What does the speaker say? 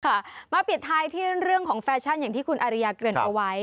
มาปิดท้ายที่เรื่องของแฟชั่นอย่างที่คุณอาริยาเกริ่นเอาไว้